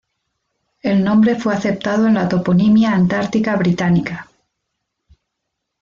El nombre fue aceptado en la toponimia antártica británica.